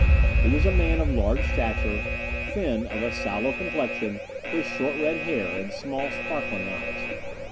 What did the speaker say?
He was a man of large stature, thin, of a sallow complexion, with short red hair, and small sparkling eyes.